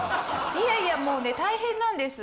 いやいやもうね大変なんです。